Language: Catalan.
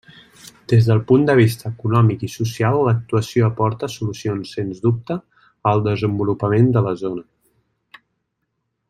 Des del punt de vista econòmic i social, l'actuació aporta solucions, sens dubte, al desenvolupament de la zona.